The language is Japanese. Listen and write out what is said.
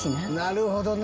なるほどね！